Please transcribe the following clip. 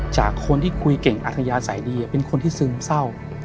จากคนที่คุยเก่งอัธยาศัยดีเป็นคนที่ซึมเศร้า